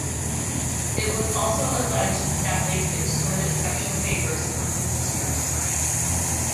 It was also alleged that Lake extorted sexual favors from his sisters.